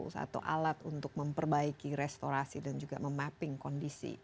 satu alat untuk memperbaiki restorasi dan juga memapping kondisi